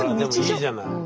でもいいじゃない。